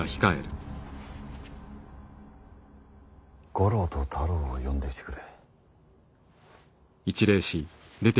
五郎と太郎を呼んできてくれ。